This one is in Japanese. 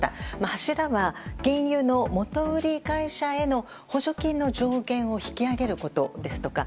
柱は、原油の元売り会社への補助金の上限を引き上げることですとか。